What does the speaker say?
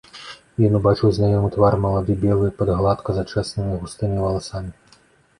Ён убачыў знаёмы твар, малады, белы, пад гладка зачэсанымі густымі валасамі.